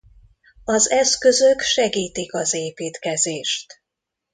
Az eszközök segítik az építkezést.